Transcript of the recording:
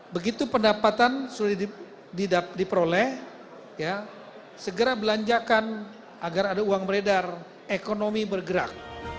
begitu pendapatan sudah diperoleh segera belanjakan agar ada uang beredar ekonomi bergerak